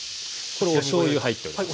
これおしょうゆ入っております。